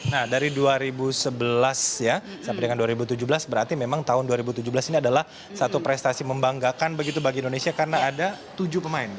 nah dari dua ribu sebelas ya sampai dengan dua ribu tujuh belas berarti memang tahun dua ribu tujuh belas ini adalah satu prestasi membanggakan begitu bagi indonesia karena ada tujuh pemain